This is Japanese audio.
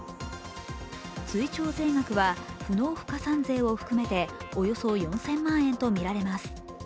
追徴課税額は不納付加算税を含めておよそ４０００万円とみられます。